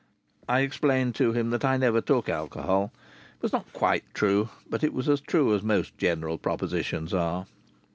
I explained to him that I never took alcohol. It was not quite true, but it was as true as most general propositions are.